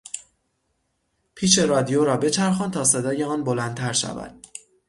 پیچ رادیو را بچرخان تا صدای آن بلندتر شود.